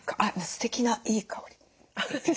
すてきないい香り。